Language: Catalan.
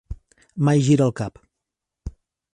Mai gira el cap.